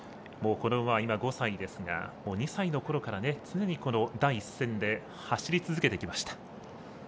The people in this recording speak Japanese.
この馬は、５歳ですが２歳のころから常に第一線で走り続けてきました。